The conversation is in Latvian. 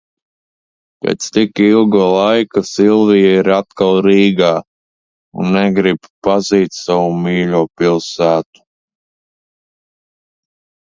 Pēc tik ilga laika Silvija ir atkal Rīgā, un negrib pazīt savu mīļo pilsētu.